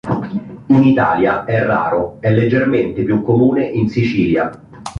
In Italia è raro, è leggermente più comune in Sicilia.